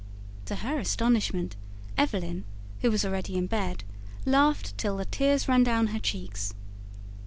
To her astonishment, Evelyn, who was already in bed, laughed till the tears ran down her cheeks.